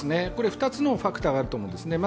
２つのファクターがあると思うんです。